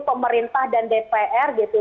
pemerintah dan dpr gitu